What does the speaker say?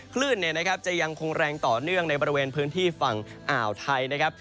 คลื่นจะยังคงแรงต่อเนื่องในบริเวณพื้นที่ฝั่งอ่าวไทยนะครับ